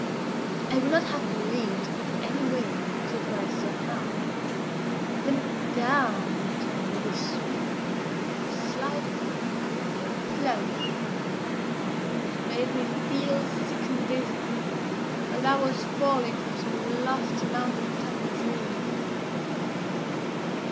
I would not have believed that any wave could rise so high. And then down we came with a sweep, a slide, and a plunge, that made me feel sick and dizzy, as if I was falling from some lofty mountain top in a dream.